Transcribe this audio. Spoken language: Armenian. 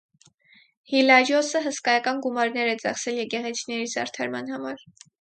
Հիլարիոսը հսկայական գումարներ է ծախսել եկեղեցիների զարդարման համար։